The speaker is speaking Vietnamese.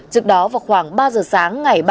trước đó vào khoảng ba giờ sáng ngày ba mươi